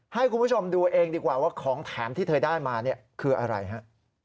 ให้คุณผู้ชมดูเองดีกว่าว่าของแถมที่เธอได้มาเนี่ยคืออะไรฮะ